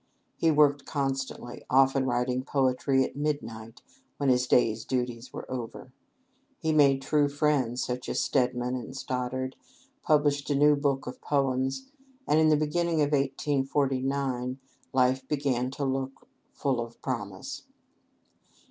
He worked constantly, often writing poetry at midnight, when his day's duties were over. He made true friends, such as Stedman and Stoddard, published a new book of poems; and in the beginning of 1849 life began to look full of promise.